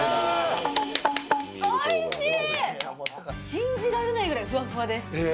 信じられないくらい、ふわふわです。